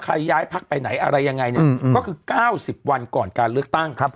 ย้ายพักไปไหนอะไรยังไงเนี่ยก็คือ๙๐วันก่อนการเลือกตั้ง